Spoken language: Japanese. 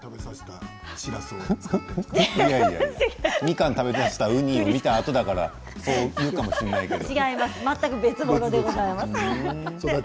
いやいやいやみかんを食べさせたウニを見たあとだからそう思うかもしれないけれども。